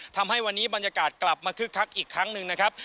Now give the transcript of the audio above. ทำให้วันนี้บรรยากาศกลับมาคึกคักอีกครั้งหนึ่งนะครับ